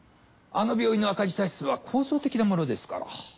あの病院の赤字体質は構造的なものですから。